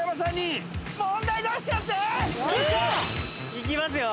いきますよ。